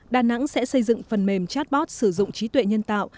đà nẵng sẽ xây dựng phần mềm chatbot sử dụng trí tuệ nhân tạo